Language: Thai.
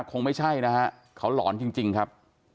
คงไม่ใช่นะฮะเขาหลอนจริงครับ